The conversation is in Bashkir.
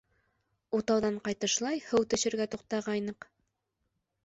Утауҙан ҡайтышлай, һыу төшөргә туҡтағайныҡ...